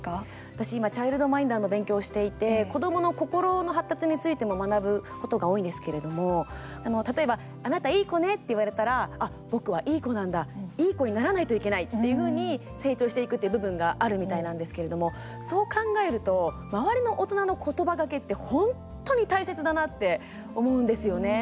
私、今チャイルドマインダーの勉強をしていて子どもの心の発達についても学ぶことが多いんですけれども例えば「あなた、いい子ね」って言われたらあっ、僕は、いい子なんだいい子にならないといけないっていうふうに成長していくっていう部分があるみたいなんですけれどもそう考えると、周りの大人のことばがけって本当に大切だなって思うんですよね。